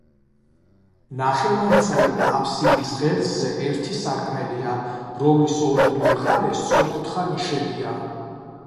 ნახევარწრიულ აფსიდის ღერძზე ერთი სარკმელია, რომლის ორივე მხარეს სწორკუთხა ნიშებია.